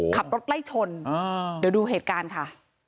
ขับรถไล่ชนเดี๋ยวดูเหตุการณ์ค่ะ